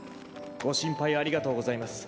「ご心配ありがとうございます。